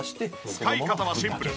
使い方はシンプル。